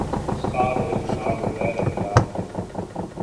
His father is an Ayurvedic doctor.